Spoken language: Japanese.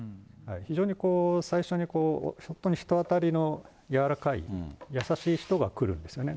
非常に、最初にこう、本当に人当たりの柔らかい、優しい人が来るんですね。